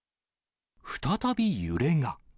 再び揺れが。